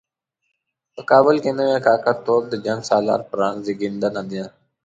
په کابل کې نوی کاکه توب د جنګ سالار فرهنګ زېږنده دی.